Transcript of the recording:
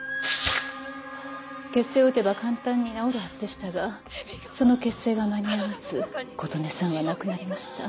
血清を打てば簡単に治るはずでしたがその血清が間に合わず琴音さんは亡くなりました。